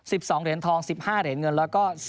๑๒เหรียญทอง๑๕เหรียญเงินแล้วก็